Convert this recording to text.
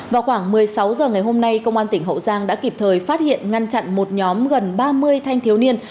vào khoảng một mươi sáu giờ ngày hôm nay công an tp hcm đã kịp thời phát hiện ngăn chặn một nhóm gần ba mươi thanh thiếu niên